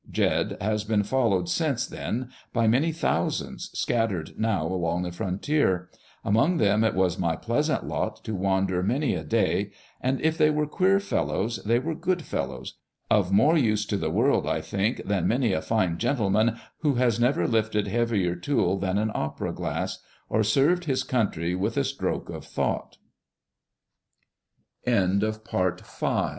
Jed has been followed since then by many thou sands, scattered now along the frontier. Among them it was my pleasant lot to wander many a day, and if they were queer fellows, they were good fellows ; of more use to the world, I think, than many a fine gentleman who has never lifted heavier tool than an opera glass, or served h